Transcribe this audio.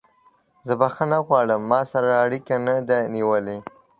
زه بخښنه غواړم ما سره اړیکه نه ده نیولې.